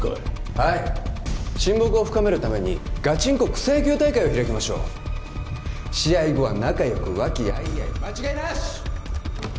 はい親睦を深めるためにガチンコ草野球大会を開きましょう試合後は仲良く和気あいあい間違いなし！